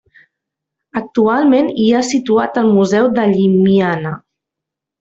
Actualment hi ha situat el Museu de Llimiana.